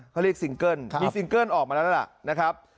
เขาเรียกซิงเกิ้ลมีซิงเกิ้ลออกมาแล้วแล้วล่ะนะครับ